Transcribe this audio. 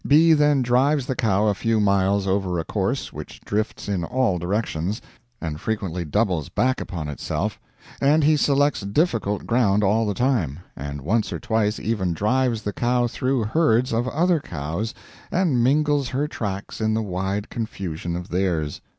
B. then drives the cow a few miles over a course which drifts in all directions, and frequently doubles back upon itself; and he selects difficult ground all the time, and once or twice even drives the cow through herds of other cows, and mingles her tracks in the wide confusion of theirs.